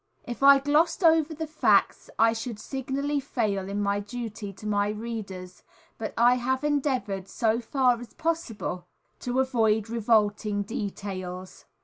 If I glossed over the facts I should signally fail in my duty to my readers, but I have endeavoured, so far as possible, to avoid revolting details.